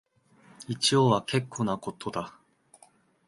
一応は結構なことだ